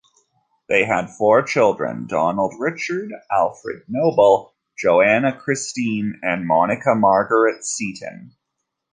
They had four children: Donald Richard, Alfred Noble, Johanna Christine, and Monica Margaret Seaton.